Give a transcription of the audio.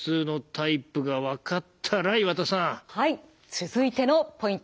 続いてのポイント